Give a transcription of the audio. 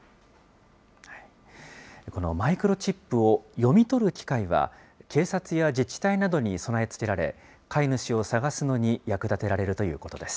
このマイクロチップを読み取る機械は、警察や自治体などに備え付けられ、飼い主を探すのに役立てられるということです。